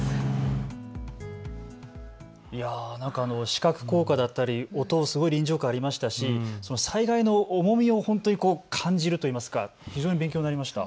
視覚効果だったり音、臨場感ありましたし、災害の重みを感じるといいますか非常に勉強になりました。